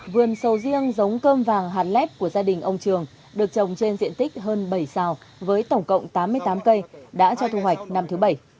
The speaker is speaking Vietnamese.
vườn sầu riêng giống cơm vàng hạt lép của gia đình ông trường được trồng trên diện tích hơn bảy sao với tổng cộng tám mươi tám cây đã cho thu hoạch năm thứ bảy